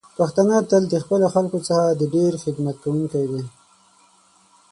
پښتانه تل د خپلو خلکو څخه د ډیر خدمت کوونکی دی.